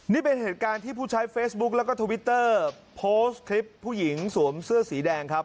นี่เป็นเหตุการณ์ที่ผู้ใช้เฟซบุ๊กแล้วก็ทวิตเตอร์โพสต์คลิปผู้หญิงสวมเสื้อสีแดงครับ